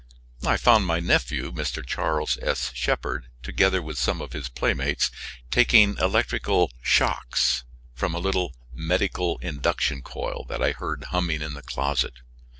I found my nephew, Mr. Charles S. Sheppard, together with some of his playmates, taking electrical "shocks" from a little medical induction coil that I heard humming in the closet.